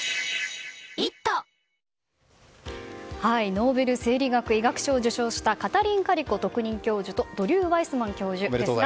ノーベル生理学・医学賞を受賞したカタリン・カリコ特任教授とドリュー・ワイスマン教授。